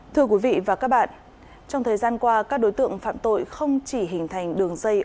thưa quý vị và các bạn trong thời gian qua các đối tượng phạm tội không chỉ hình thành đường dây